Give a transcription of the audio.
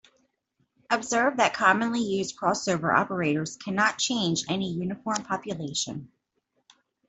Observe that commonly used crossover operators cannot change any uniform population.